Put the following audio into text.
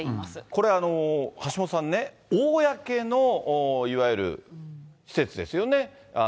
これ、橋下さんね、公のいわゆる施設ですよね。